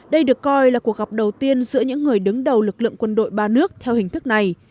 đây được coi là cuộc gặp đầu tiên giữa những người đứng đầu lực lượng quân đội ba nước theo hình thức này